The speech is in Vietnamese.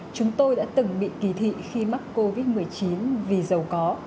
chúng tôi đã từng bị kỳ thị khi mắc covid một mươi chín vì giàu có